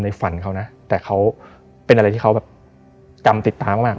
ฝันเขานะแต่เขาเป็นอะไรที่เขาแบบจำติดตามมาก